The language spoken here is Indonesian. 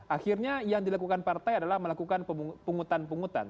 akhirnya yang dilakukan partai adalah melakukan pungutan pungutan